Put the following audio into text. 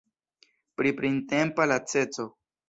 Pri printempa laceco.